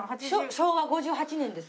昭和５８年です。